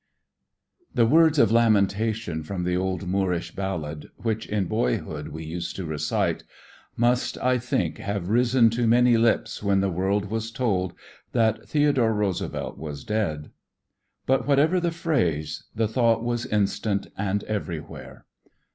The words of lamentation from the old Moorish ballad, which in boyhood we used to recite, must, I think, have risen to many lips when the world was told that Theodore Roosevelt was dead. But whatever the phrase the thought was instant and everywhere.